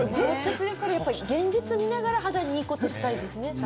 現実を見ながら肌にいいことしたいですね。